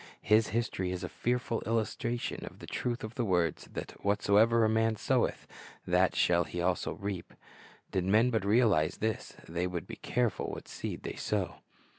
His history is a fearful illustration of the truth of the words that "whatsoever a man soweth, that shall he also reap."^ Did men but realize this, they would be careful what seed they sow.